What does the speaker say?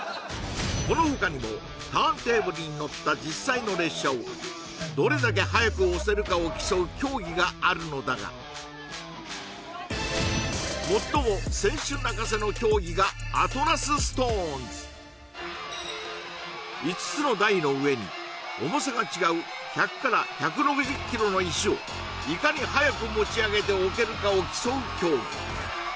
この他にもターンテーブルに乗った実際の列車をどれだけ早く押せるかを競う競技があるのだが５つの台の上に重さが違う１００１６０ｋｇの石をいかに早く持ち上げて置けるかを競う競技